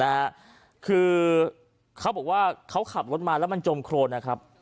นะฮะคือเขาบอกว่าเขาขับรถมาแล้วมันจมโครนนะครับ